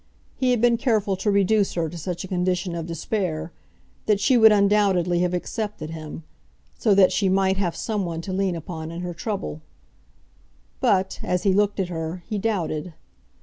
He had been careful to reduce her to such a condition of despair, that she would undoubtedly have accepted him, so that she might have some one to lean upon in her trouble; but, as he looked at her, he doubted.